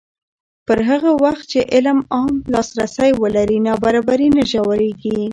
پر هغه وخت چې علم عام لاسرسی ولري، نابرابري نه ژورېږي.